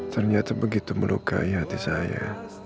ternyata begitu melukai hati saya